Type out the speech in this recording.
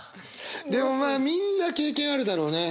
でもまあみんな経験あるだろうね。